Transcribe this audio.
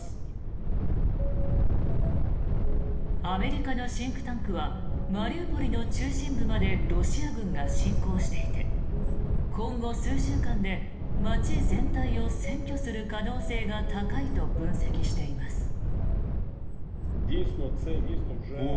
アメリカのシンクタンクはマリウポリの中心部までロシア軍が侵攻していて今後数週間で街全体を占拠する可能性が高いと分析しています。